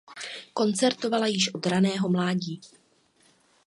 Koncertovala již od raného mládí.